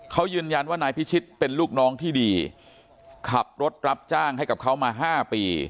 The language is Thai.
เขายืนยันว่านายพิชิตเป็นลูกน้องที่ดีขับรถรับจ้างให้กับเขามา๕ปี